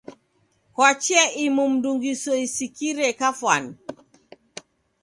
Kwa chia imu mndungi useisikire kafwani.